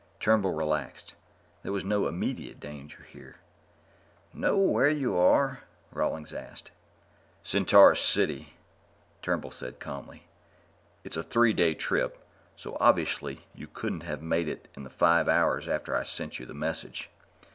Turnbull relaxed. There was no immediate danger here. "Know where you are?" Rawlings asked. "Centaurus City," Turnbull said calmly. "It's a three day trip, so obviously you couldn't have made it in the five hours after I sent you the message.